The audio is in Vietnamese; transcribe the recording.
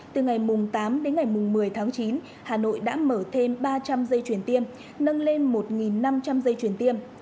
từ ngày tám đến ngày một mươi tháng chín hà nội đã mở thêm ba trăm linh dây chuyển tiêm nâng lên một năm trăm linh dây chuyển tiêm